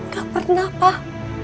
ga pernah pak